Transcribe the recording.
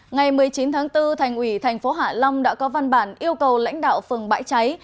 ngày một mươi chín tháng bốn thành ủy thành phố hạ long đã có văn bản yêu cầu lãnh đạo phường bãi cháy